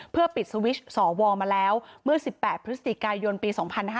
เพื่อปิดสวิชสวมาแล้วเมื่อ๑๘พฤศจิกายนปี๒๕๕๙